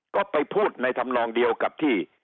ก็ไปพูดในธรรมนองเดียวกับที่